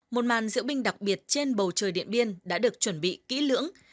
một màn diễu binh đặc biệt trên bầu trời điện biên đã được chuẩn bị kỹ lưỡng